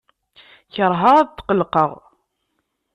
Keṛheɣ ad tqellqeɣ.